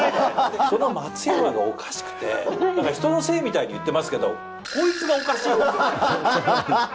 この松山がおかしくて、人のせいみたいに言ってますけど、こいつがおかしいんです。